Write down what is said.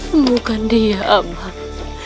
sembuhkan dia abang